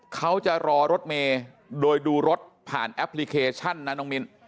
เขาจะรอรถเมย์โดยดูรถผ่านแอปพลิเคชันนะน้องมิ้น